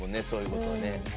そういうことはね。